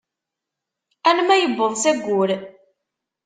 Alamma yewweḍ s ayyur.